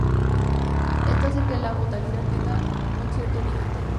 Esto hace que la volatilidad tenga un cierto límite.